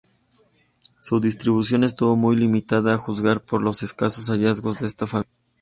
Su distribución estuvo muy limitada a juzgar por los escasos hallazgos de esta familia.